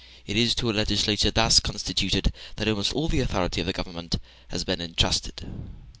It is to a legislature thus constituted that almost all the authority of the government has been entrusted.